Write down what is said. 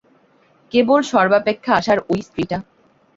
কেবল সর্বাপেক্ষা অসার ঐ স্ত্রীটা!